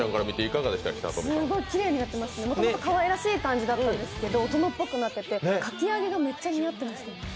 すごいきれいになってもともとかわいらしい感じだったんですけど、大人っぽくなってて、かきあげがめっちゃ似合ってました。